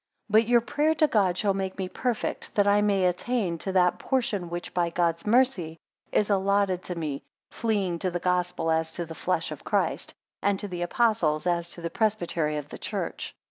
2 But your prayer to God shall make me perfect, that I may attain to that portion, which by God's mercy is allotted to me Fleeing to the Gospel as to the flesh of Christ; and to the Apostles as to the presbytery of the church.